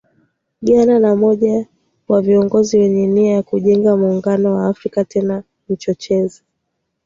Ghana na mmoja wa viongozi wenye nia ya kujenga Muungano wa Afrika tena mchochezi